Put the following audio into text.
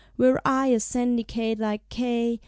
Were I a syndicate like K.